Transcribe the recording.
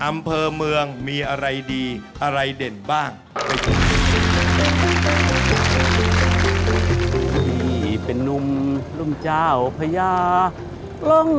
อำเภอเมืองมีอะไรดีอะไรเด่นบ้าง